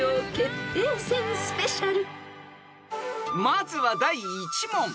［まずは第１問］